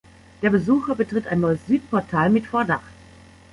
Der Besucher betritt ein neues Süd-Portal mit Vordach.